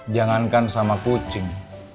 jangankan sama kucing